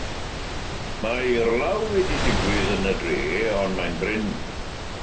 Mae eirlaw wedi digwydd yn y dref ond mae'n brin.